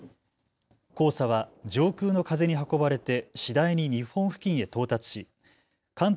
黄砂は上空の風に運ばれて次第に日本付近へ到達し関東